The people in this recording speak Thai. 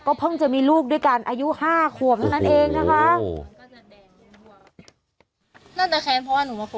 เพิ่งจะมีลูกด้วยกันอายุ๕ขวบเท่านั้นเองนะคะ